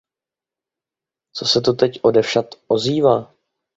Co se to teď odevšad ozývá?